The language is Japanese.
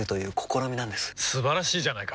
素晴らしいじゃないか！